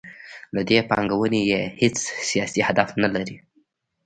له دې پانګونې یې هیڅ سیاسي هدف نلري.